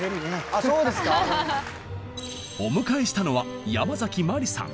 あそうですか？お迎えしたのはヤマザキマリさん。